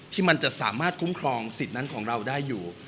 ที่มันจะสามารถคุ้มครองสิทธิ์นั้นของเราได้อยู่